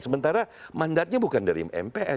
sementara mandatnya bukan dari mpr